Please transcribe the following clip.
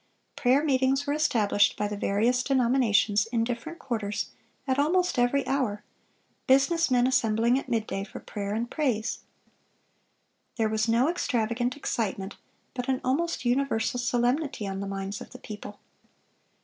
Prayer meetings were established by the various denominations, in different quarters, at almost every hour, business men assembling at midday for prayer and praise. There was no extravagant excitement, but an almost universal solemnity on the minds of the people.